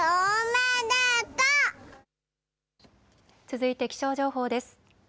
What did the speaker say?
続いて気象情報です。